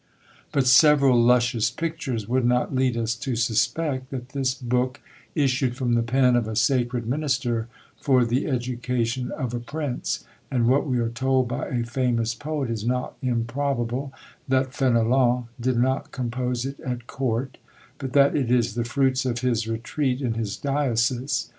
But several luscious pictures would not lead us to suspect that this book issued from the pen of a sacred minister for the education of a prince; and what we are told by a famous poet is not improbable, that Fenelon did not compose it at court, but that it is the fruits of his retreat in his diocese.